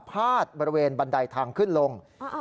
พาดบริเวณบันไดทางขึ้นลง